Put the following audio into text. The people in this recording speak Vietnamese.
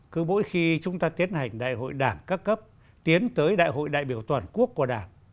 cứ mỗi khi chúng ta tiến hành đại hội đảng các cấp tiến tới đại hội đại biểu toàn quốc của đảng